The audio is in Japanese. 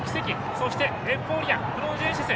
そして、エフフォーリアクロノジェネシス。